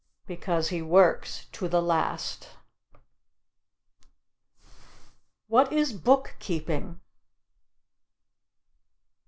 Because he works to the last. What is book keeping?